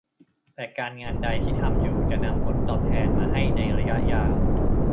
แต่การงานใดที่ทำอยู่จะนำผลตอบแทนมาให้ในระยะยาว